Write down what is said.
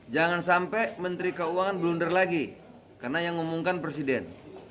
jangan sampai menteri keuangan blunder lagi karena yang ngomongkan presiden